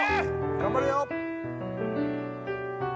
頑張れよ